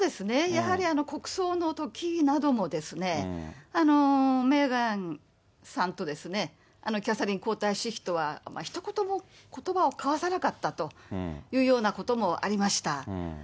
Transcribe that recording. やはり国葬のときなどもですね、メーガンさんとキャサリン皇太子妃とは、ひと言もことばを交わさなかったというようなこともありました。